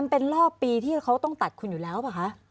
เป็นรอบปีที่เขาต้องตัดคุณอยู่แล้วป่ะคะ